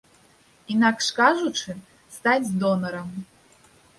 Інакш кажучы, стаць донарам.